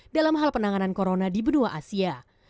dalam hal penanganan corona di benua asia